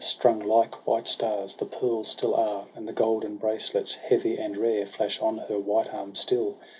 Strung like white stars, the pearls still are, And the golden bracelets, heavy and rare, Flash on her white arms still.